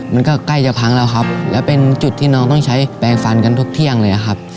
มันก็ใกล้จะพังแล้วครับแล้วเป็นจุดที่น้องต้องใช้แปลงฟันกันทุกเที่ยงเลยครับ